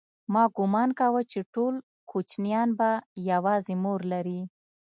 ما گومان کاوه چې ټول کوچنيان به يوازې مور لري.